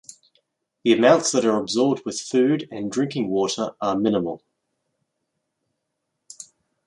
The amounts that are absorbed with food and drinking water are minimal.